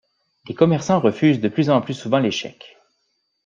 Les commerçants refusent de plus en plus souvent les chèques.